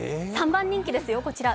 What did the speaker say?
３番人気ですよ、こちら。